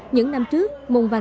những năm trước môn văn